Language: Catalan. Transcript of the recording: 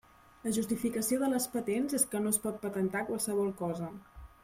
La justificació de les patents és que no es pot patentar qualsevol cosa.